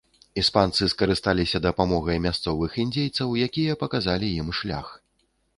Іспанцы скарысталіся дапамогай мясцовых індзейцаў, якія паказалі ім шлях.